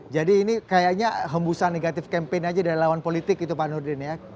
jadi ini kayaknya hembusan negatif campaign aja dari lawan politik itu pak nurdin ya